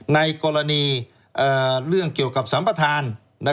ในกรณีเรื่องเกี่ยวกับสัมปทาน